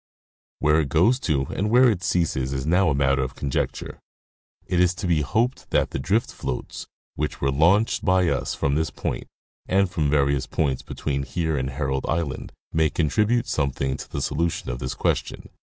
Where it goes to and where it ceases is now a matter of con jecture. It is to be hoped that the drift floats which were launched by us from this point, and from various poits between here and Herald island, may contribute something to the solution of this question.